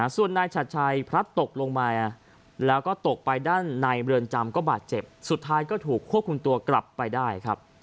ส่วนนายชัดชัยพลัดตกลงมาแล้วก็ตกไปด้านในเรือนจำก็บาดเจ็บสุดท้ายก็ถูกควบคุมตัวกลับไปได้ครับ